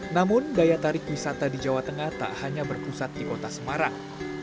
namun daya tarik wisata di jawa tengah tak hanya berpusat di kota semarang